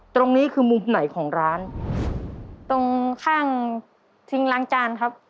ตรงนี้คือมุมไหนของร้านตรงข้างทิ้งล้างจานครับ